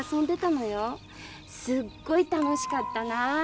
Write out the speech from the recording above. すっごい楽しかったなぁ。